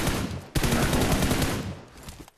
Jakovany